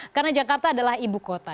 karena jakarta adalah ibu kota